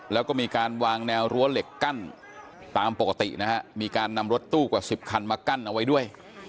แล้วก็มีการวางแนวรั้วเหล็กกั้นตามปกตินะฮะมีการนำรถตู้กว่า๑๐คันมากั้นเอาไว้ด้วย